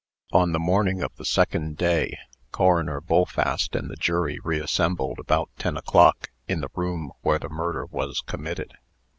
On the morning of the second day, Coroner Bullfast and the jury reassembled, about ten o'clock, in the room where the murder was committed.